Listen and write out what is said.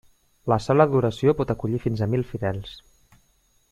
La sala d'oració pot acollir fins a mil fidels.